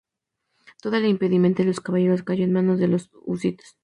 Toda la impedimenta de los caballeros cayó en manos de los husitas.